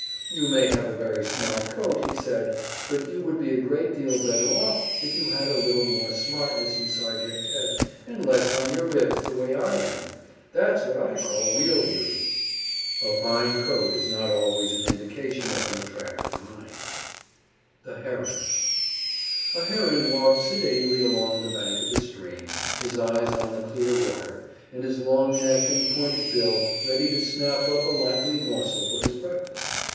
"You may have a very smart coat," he said, "but you would be a great deal better off if you had a little more smartness inside your head and less on your ribs, the way I am. That's what I call real beauty." A fine coat is not always an indication of an attractive mind. [Illustration: THE FOX AND THE LEOPARD] THE HERON A Heron was walking sedately along the bank of a stream, his eyes on the clear water, and his long neck and pointed bill ready to snap up a likely morsel for his breakfast.